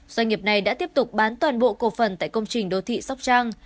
doanh nghiệp này đã tiếp tục bán toàn bộ cổ phần tại công trình đô thị sóc trang